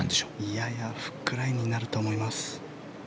ややフックラインになると思います。